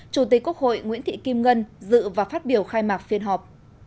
chủ tịch quốc hội nguyễn thị kim ngân dự và phát biểu khai mạc phiên họp